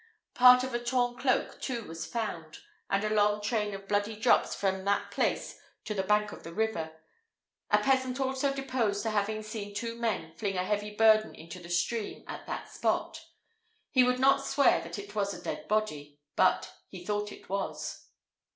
Part of a torn cloak, too, was found, and a long train of bloody drops from that place to the bank of the river; a peasant also deposed to having seen two men fling a heavy burden into the stream at that spot he would not swear that it was a dead body, but he thought it was."